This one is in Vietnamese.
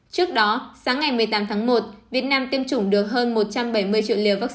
trước đó sáng ngày một mươi tám tháng một việt nam tiêm chủng được hơn một trăm bảy mươi triệu liều vaccine